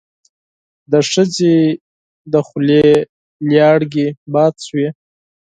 د ښځې له خولې لاړې باد شوې.